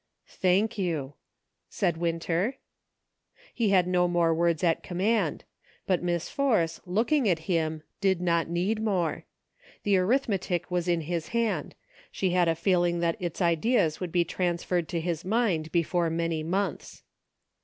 "Thank you," said Winter. He had no more words at command ; but Miss Force, looking at him, did not need more. The arithmetic was in his hand ; she had a feeling that its ideas would be transferred to his mind before many months.